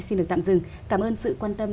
xin được tạm dừng cảm ơn sự quan tâm